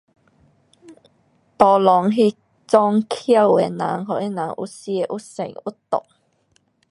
Tolong 那种穷的人，给他们有吃，有穿，有住